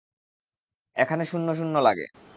এখানে শুণ্য শুণ্য লাগে।